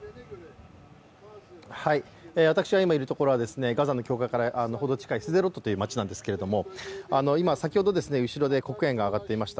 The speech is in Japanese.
私が今いるところはガザの境界からほど近いスデロットという町なんですけれども先ほど、後ろで黒煙が上がっていました。